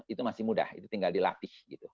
itu masih mudah itu tinggal dilatih gitu